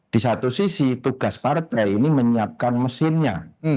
di satu sisi tugas partai ini menyiapkan mesinnya